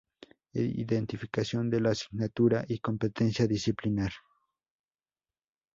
Identificación de la asignatura y competencia disciplinar.